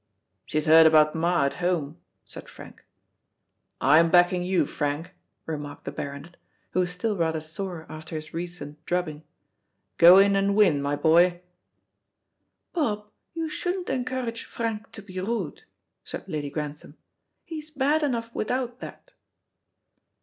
"She's heard about ma at home," said Frank. "I'm backing you, Frank," remarked the Baronet, who was still rather sore after his recent drubbing. "Go in and win, my boy." "Bob, you shouldn't encourage Frank to be rude," said Lady Grantham. "He's bad enough without that."